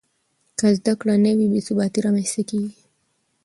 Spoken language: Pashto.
که زده کړه نه وي، بې ثباتي رامنځته کېږي.